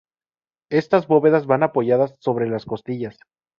Estas bóvedas van apoyadas sobre las "cotillas".